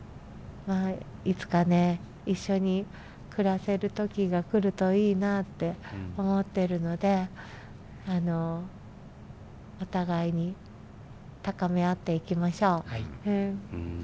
いつかね一緒に暮らせる時が来るといいなって思ってるのであのお互いに高め合っていきましょう。